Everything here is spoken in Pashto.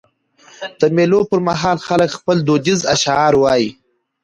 د مېلو پر مهال خلک خپل دودیز اشعار وايي.